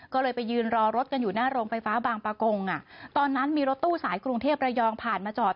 ก็เลยไปยืนรอรถกันอยู่หน้าโรงไฟฟ้าบางประกงอ่ะตอนนั้นมีรถตู้สายกรุงเทพระยองผ่านมาจอด